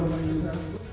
pokoknya jaganya harus sehat